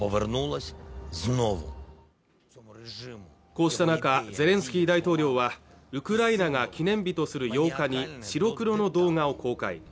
こうした中ゼレンスキー大統領はウクライナが記念日とする８日に白黒の動画を公開